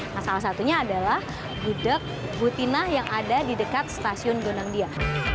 nah salah satunya adalah gudeg butina yang ada di dekat stasiun gonang dia